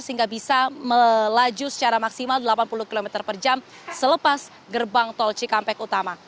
sehingga bisa melaju secara maksimal delapan puluh km per jam selepas gerbang tol cikampek utama